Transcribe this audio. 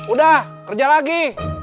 udah kerja lagi